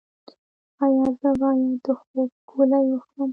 ایا زه باید د خوب ګولۍ وخورم؟